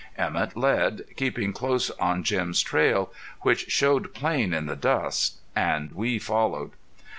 Emett led, keeping close on Jim's trail, which showed plain in the dust, and we followed.